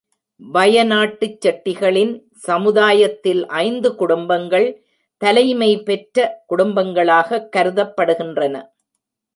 வய நாட்டுச் செட்டிகளின் சமுதாயத்தில் ஐந்து குடும்பங்கள் தலைமைபெற்ற குடும்பங்களாகக் கருதப்படுகின்றன.